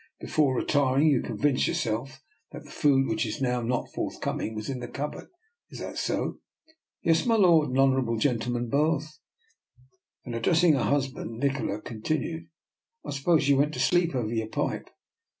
Before retiring you convinced yourself that the food which is now not forthcoming was in the cupboard. Is that so?" " Yes, my lord, and honourable gentlemen both." Then addressing her husband Nikola con tinued: —" I suppose you went to sleep over your pipe?